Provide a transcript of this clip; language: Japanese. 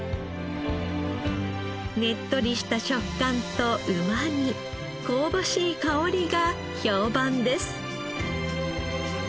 ねっとりした食感とうまみ香ばしい香りが評判です。